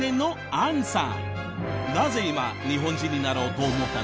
アンさん